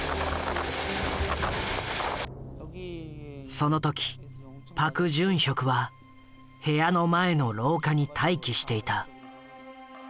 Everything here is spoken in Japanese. その時パク・ジュンヒョクは部屋の前の廊下に待機していた。